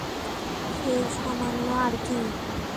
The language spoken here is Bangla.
এই সামান্য আর কী।